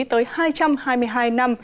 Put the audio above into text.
tới hai trăm hai mươi hai năm